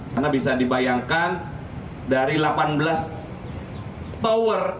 karena bisa dibayangkan dari delapan belas tower